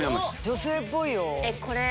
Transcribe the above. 女性っぽいよ。